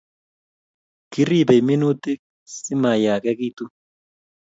Kiripei minutik simayakekitu